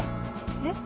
えっ？